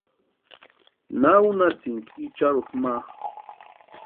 ¿Na únhasïnki icharhuta ma?